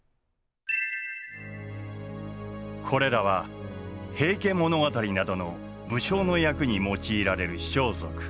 これらは「平家物語」などの武将の役に用いられる装束。